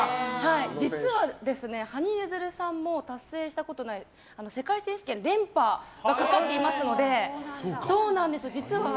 実は羽生結弦さんも達成したことがない世界選手権連覇がかかっていますので。